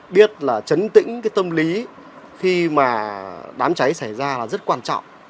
biết là chấn tĩnh cái tâm lý khi mà đám cháy xảy ra là rất quan trọng